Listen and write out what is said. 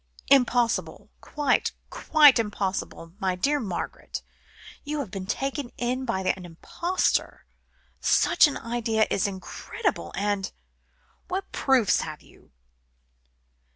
Impossible quite, quite impossible. My dear Margaret you have been taken in by an impostor. Such an idea is incredible. And what proofs have you?"